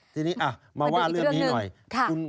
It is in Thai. ทีนี้มาว่าเรื่องนี้หน่อย